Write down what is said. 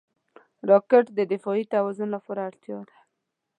راکټ د دفاعي توازن لپاره اړتیا ده